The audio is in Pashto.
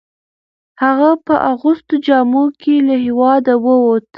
هغه په اغوستو جامو کې له هیواده وووت.